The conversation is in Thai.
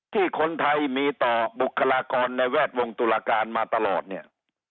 ที่คนไทยมีต่อบุคลากรในแวดวงตุลาการมาตลอดเนี่ย